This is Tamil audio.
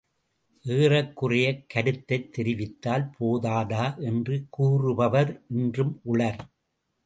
ஏறக்குறையக் கருத்தைத் தெரிவித்தால் போதாதா என்று கூறுபவர் இன்றும் உளர்.